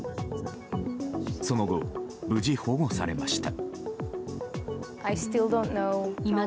その後、無事保護されました。